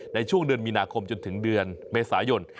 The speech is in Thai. ในช่วงเดือนมีนาคมจนถึงเดือนเมษายน